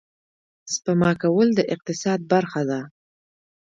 سپما کول د اقتصاد برخه ده